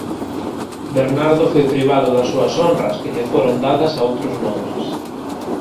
Bernardo foi privado das súas honras que lle foron dadas a outros nobres.